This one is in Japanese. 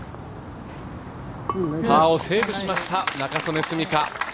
パーをセーブしました、仲宗根澄香